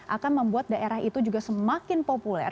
akan membuat daerah itu juga semakin populer